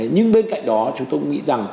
nhưng bên cạnh đó chúng tôi nghĩ rằng